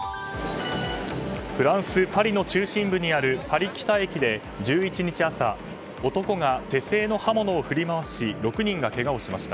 フランス・パリの中心部にあるパリ北駅で１１日朝男が手製の刃物を振り回し６人がけがをしました。